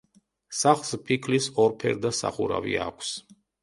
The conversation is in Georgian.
სახლს ფიქლის ორფერდა სახურავი აქვს.